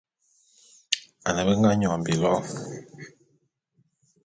Ane be nga nyon bilo'o.